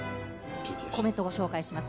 コメント、ご紹介します。